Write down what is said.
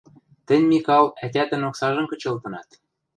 Тӹнь, Микал, ӓтятӹн оксажым кычылтынат.